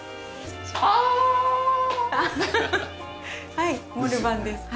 はいモルバンです。